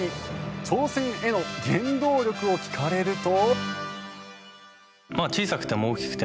挑戦への原動力を聞かれると。